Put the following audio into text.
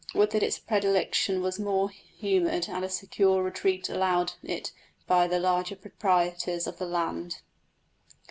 Would that its predilection were more humoured and a secure retreat allowed it by the larger proprietors in the land!"